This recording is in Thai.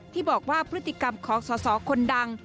ที่บอกว่าพฤติกรรมของสอสอคนดัง